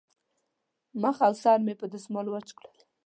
مخ او سر مې په دستمال وچ کړل.